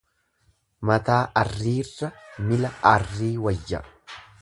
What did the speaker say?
Mataa arriirra mila arrii wayya.